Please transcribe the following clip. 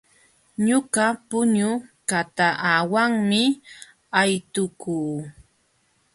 Ñuqa pullu kataawanmi aytukuu.